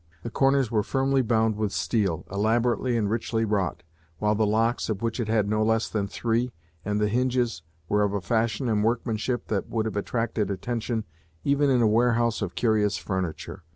The corners were firmly bound with steel, elaborately and richly wrought, while the locks, of which it had no less than three, and the hinges, were of a fashion and workmanship that would have attracted attention even in a warehouse of curious furniture.